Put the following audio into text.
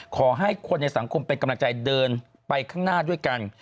ขอให้คนในสังคมเป็นกำลังใจเดินไปข้างหน้าด้วยกัน